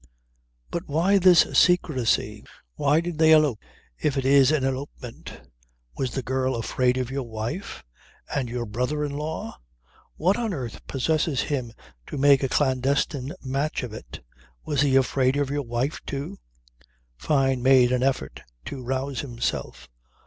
"But why this secrecy? Why did they elope if it is an elopement? Was the girl afraid of your wife? And your brother in law? What on earth possesses him to make a clandestine match of it? Was he afraid of your wife too?" Fyne made an effort to rouse himself.